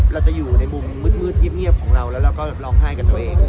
เราจะอยู่ในมุมมืดเงียบของเราแล้วเราก็ร้องไห้กับตัวเอง